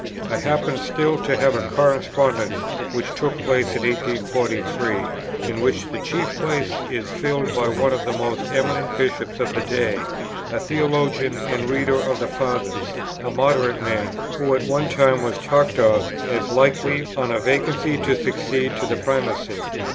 I happen still to have a correspondence which took place in 1843, in which the chief place is filled by one of the most eminent Bishops of the day, a theologian and reader of the Fathers, a moderate man, who at one time was talked of as likely on a vacancy to succeed to the Primacy.